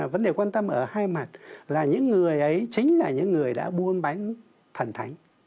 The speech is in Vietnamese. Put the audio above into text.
vấn đề quan tâm ở hai mặt là những người ấy chính là những người đã buôn bánh thần thánh